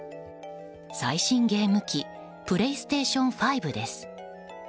最新ゲーム機プレイステーション５です。